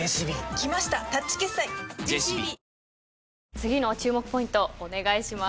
次の注目ポイントお願いします。